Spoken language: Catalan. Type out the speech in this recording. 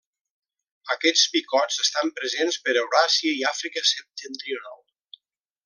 Aquests picots estan presents per Euràsia i Àfrica septentrional.